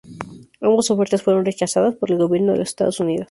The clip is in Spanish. Ambas ofertas fueron rechazadas por el gobierno de los Estados Unidos.